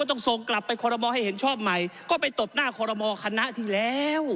ตู้กลับไปคอลโรโมอให้เห็นชอบใหม่ก็ไปตกหน้าคอลโรโมอคณะทีแล้ว